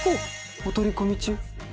お取り込み中？